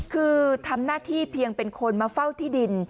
คือทำหน้าที่เพียงเป็นคนมาเฝ้าที่ดิน